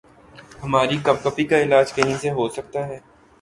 ہماری کپکپی کا علاج کہیں سے ہو سکتا ہے؟